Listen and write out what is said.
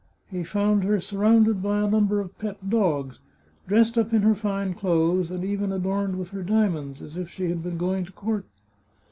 He found her surrounded by a num ber of pet dogs, dressed up in her fine clothes, and even adorned with her diamonds, as if she had been going to court.